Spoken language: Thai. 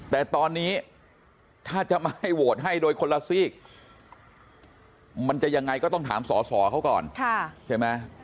แต่ตอนนี้ถ้าจะไม่ให้โหวตให้โดยคนละซีกมันจะยังไงก็ต้องถามสอสอเขาก่อนใช่ไหม